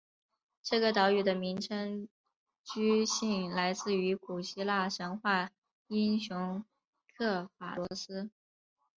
这个岛屿的名称据信来自于古希腊神话英雄刻法罗斯。